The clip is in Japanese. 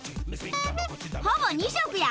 ほぼ２色や！